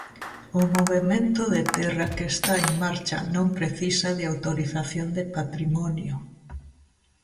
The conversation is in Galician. O movemento de terra que está en marcha non precisa de autorización de Patrimonio.